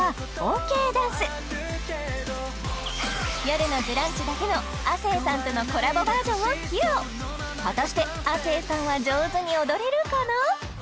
「よるのブランチ」だけの亜生さんとのコラボバージョンを披露果たして亜生さんは上手に踊れるかな？